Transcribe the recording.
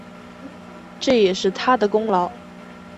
这也是他的功劳